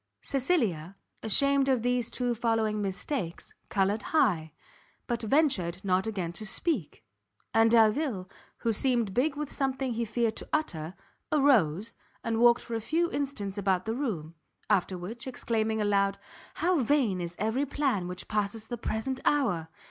Cecilia, ashamed of these two following mistakes, coloured high; but ventured not again to speak; and Delvile, who seemed big with something he feared to utter, arose, and walked for a few instants about the room; after which, exclaiming aloud "How vain is every plan which passes the present hour!"